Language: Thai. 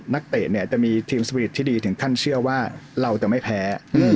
เตะเนี่ยจะมีทีมสวีทที่ดีถึงขั้นเชื่อว่าเราจะไม่แพ้